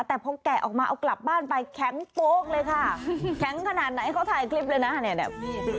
แต่พอแกะออกมาเอากลับบ้านไปแข็งโป๊กเลยค่ะแข็งขนาดไหนเขาถ่ายคลิปเลยนะเนี่ย